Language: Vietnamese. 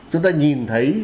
chúng ta nhìn thấy